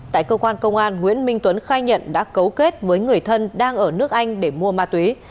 tại cơ quan công an nguyễn minh tuấn khai nhận đã cấu kết với người thân đang ở nước anh để mua ma túy